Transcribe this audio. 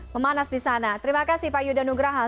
memanas di sana terima kasih pak yuda nugrahal